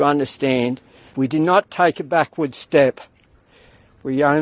anda memahami bahwa kami tidak mengambil langkah kebal